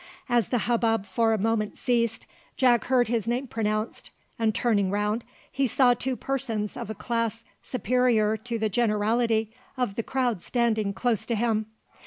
As the hubbub for a moment ceased, Jack heard his name pronounced; and turning round, he saw two persons of a class superior to the generality of the crowd standing close to him.